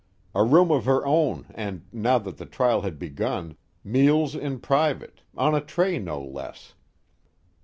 A room of her own and, now that the trial had begun, meals in private, on a tray no less.